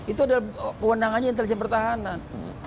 itu adalah kewenangannya intelijen pertahanan